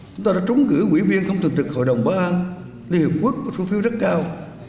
chúng ta đã trúng gửi quỹ viên không thực thực hội đồng báo an liên hiệp quốc và số phiếu rất cao